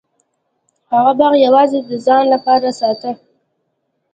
هغه باغ یوازې د ځان لپاره ساته.